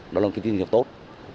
đó là một kỳ tín hiệu tốt